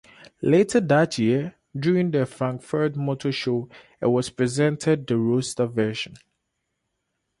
Later that year, during the Frankfurt Motorshow it was presented the roadster version.